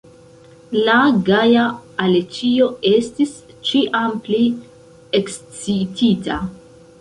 La gaja Aleĉjo estis ĉiam pli ekscitita.